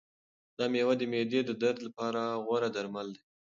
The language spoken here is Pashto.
دا مېوه د معدې د درد لپاره غوره درمل دی.